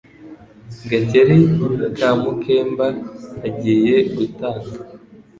Gakeli ka Mukemba agiye gutanga,